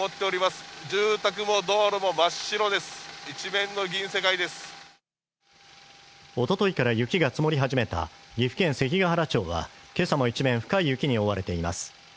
おとといから雪が積もり始めた岐阜県関ケ原町はけさも１面深い雪に覆われています